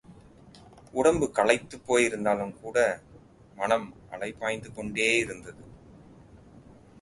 உடம்பு களைத்துப் போய் இருந்தாலும்கூட மனம் அலைபாய்ந்து கொண்டேயிருந்தது.